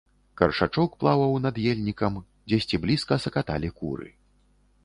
Каршачок плаваў над ельнікам, дзесьці блізка сакаталі куры.